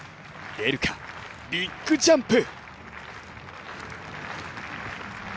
出るか、ビッグジャンプ。